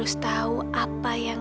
onteng ke istana